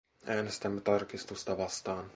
Äänestämme tarkistusta vastaan.